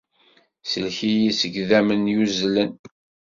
Sellek-iyi seg yidammen yuzzlen.